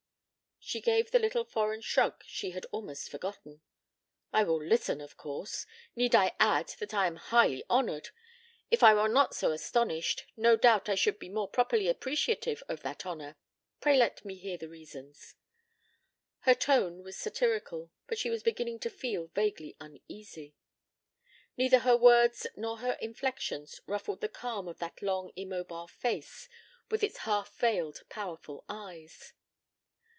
She gave the little foreign shrug she had almost forgotten. "I will listen, of course. Need I add that I am highly honored? If I were not so astonished, no doubt I should be more properly appreciative of that honor. Pray let me hear the reasons." Her tone was satirical, but she was beginning to feel vaguely uneasy. Neither her words nor her inflections ruffled the calm of that long immobile face with its half veiled powerful eyes.